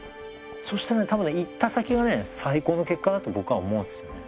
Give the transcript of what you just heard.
そしてね多分ね行った先がね最高の結果だと僕は思うんですよね。